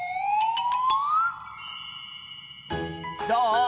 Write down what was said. どう？